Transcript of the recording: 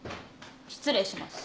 失礼します。